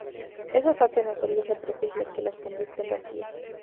Esa falta de naturaleza propia es lo que las convierte en vacías.